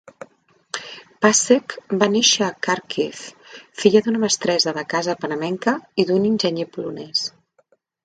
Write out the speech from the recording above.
Pasek va néixer a Kharkiv, filla d'una mestressa de casa panamenca i d'un enginyer polonès.